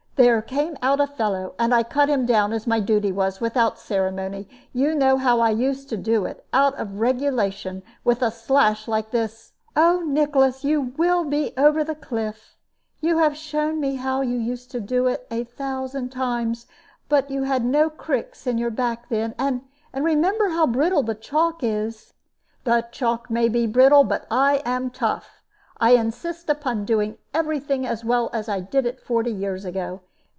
There came out a fellow, and I cut him down, as my duty was, without ceremony. You know how I used to do it, out of regulation, with a slash like this " "Oh, Nicholas, you will be over the cliff! You have shown me how you used to do it, a thousand times but you had no cricks in your back then: and remember how brittle the chalk is." "The chalk may be brittle, but I am tough. I insist upon doing every thing as well as I did it forty years ago.